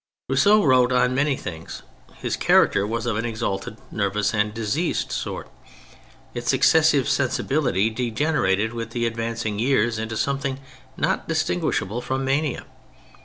Rousseau wrote on many things : his character was of an exalted, nervous and diseased sort. Its excessive sensibility de generated with advancing years into something not distinguishable from mania.